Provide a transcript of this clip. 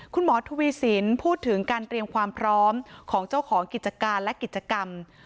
คุณหมอทวีสินพูดถึงการเตรียมความพร้อมของเจ้าของกิจการและกิจกรรม